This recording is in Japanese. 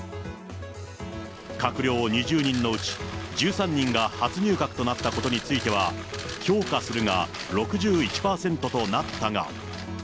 閣僚２０人のうち１３人が初入閣となったことについては、評価するが６１％となったが。